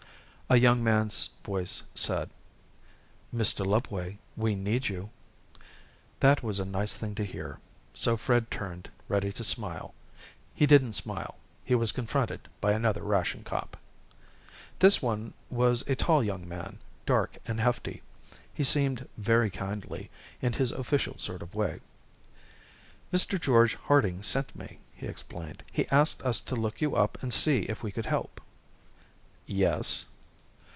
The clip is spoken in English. A young man's voice said, "Mr. Lubway, we need you." That was a nice thing to hear, so Fred turned, ready to smile. He didn't smile. He was confronted by another ration cop. This one was a tall young man, dark and hefty. He seemed very kindly, in his official sort of way. "Mr. George Harding sent me," he explained. "He asked us to look you up and see if we could help." "Yes?"